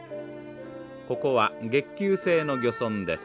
ここは月給制の漁村です。